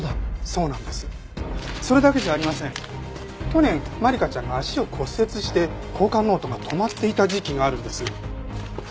去年万理華ちゃんが足を骨折して交換ノートが止まっていた時期があるんです。